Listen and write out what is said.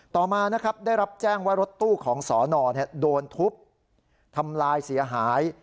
ต่อมานะครับได้รับแจ้งว่ารถตู้ของสอนอโดนทุบทำลายเสียหาย